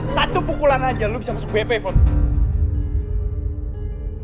satu pukulan aja lo bisa masuk bp devon